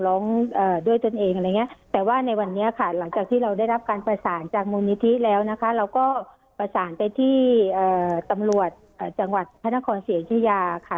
หลังจากที่เราได้รับการประสานจากมุมนิธิแล้วนะคะเราก็ประสานไปที่ตำรวจจังหวัดพนครเสียงที่ยาค่ะ